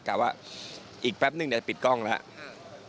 กะว่าอีกแป๊บหนึ่งเดี๋ยวปิดกล้องแล้ว